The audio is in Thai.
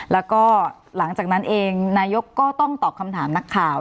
แล้วก็หลังจากนั้นเองนายกก็ต้องตอบคำถามนักข่าว